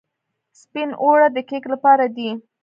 سپین اوړه د کیک لپاره دي.